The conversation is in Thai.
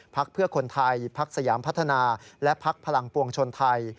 พักเพื่อคนไทยพักสยามพัฒนาและพักพลังปวงชนไทย